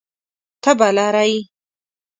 تبه لرئ؟